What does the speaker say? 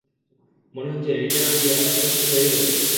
মনে হচ্ছে নির্জারার বিয়ে রামেশ্বরের সাথে হয়েই যাবে।